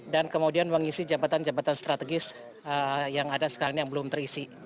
dan kemudian mengisi jabatan jabatan strategis yang ada sekarang ini yang belum terisi